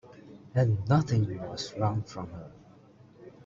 And nothing was wrung from her.